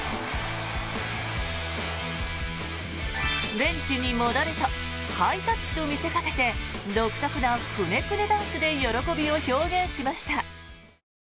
ベンチに戻るとハイタッチと見せかけて独特のくねくねダンスで喜びを表現しました。